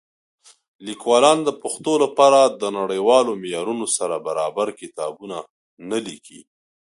لیکوالان د پښتو لپاره د نړیوالو معیارونو سره برابر کتابونه نه لیکي.